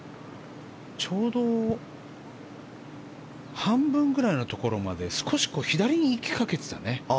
ちょうど半分ぐらいのところまで少し左に行きかけてたね。